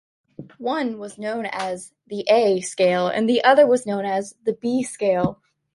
One was known as the "A" scale and the other as the "B" scale.